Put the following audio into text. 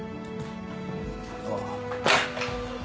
ああ。